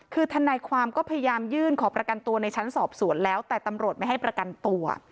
คือทนายความก็พยายามยื่นขอประกันตัวในชั้นสอบสวนแล้วแต่ตำรวจไม่ให้ประกันตัว